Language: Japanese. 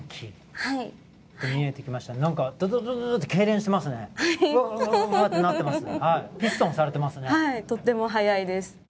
はいとっても速いです